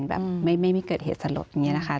ไม่มีเกิดเหตุสลดไม่มีเกิดเหตุสลดอย่างนี้นะคะ